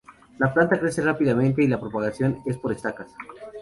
La planta crece muy rápidamente y la propagación es por estacas.